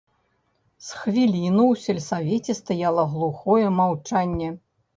З хвіліну ў сельсавеце стаяла глухое маўчанне.